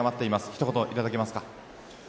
一言いただけますか？